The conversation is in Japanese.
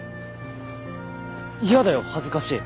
嫌だよ恥ずかしい。